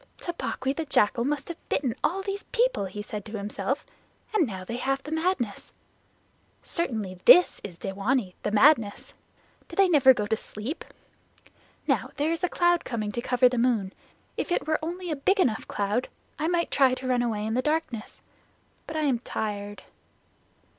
"Tabaqui the Jackal must have bitten all these people," he said to himself, "and now they have madness. Certainly this is dewanee, the madness. Do they never go to sleep? Now there is a cloud coming to cover that moon. If it were only a big enough cloud I might try to run away in the darkness. But I am tired."